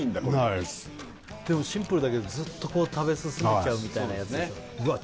ないですでもシンプルだけどずっと食べ進めちゃうみたいなやつうわっ